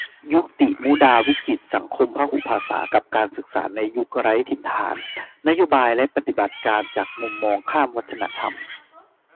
ยุกติ มุกดาวิจิตร สังคมพหุภาษากับการศึกษาในยุคไร้ถิ่นฐาน นโยบายและปฏิบัติการจากมุมมองข้ามวัฒนธรรม